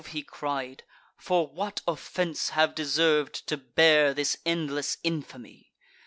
he cried, "for what offence have I Deserv'd to bear this endless infamy?